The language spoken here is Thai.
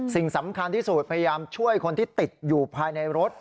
สิ่งสำคัญที่สุดพยายามช่วยคนที่ติดอยู่ภายในรถ